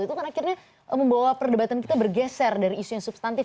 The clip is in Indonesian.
itu kan akhirnya membawa perdebatan kita bergeser dari isu yang substantif